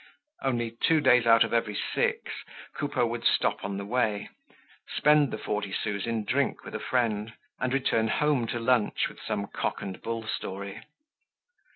Only, two days out of every six, Coupeau would stop on the way, spend the forty sous in drink with a friend, and return home to lunch, with some cock and bull story.